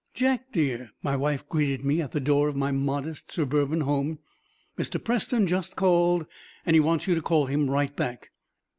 "Jack, dear," my wife greeted me at the door of my modest suburban home, "Mr. Preston just called, and he wants you to call him right back."